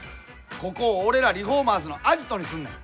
ここを俺らリフォーマーズのアジトにすんねん。